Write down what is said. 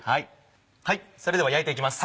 それでは焼いていきます。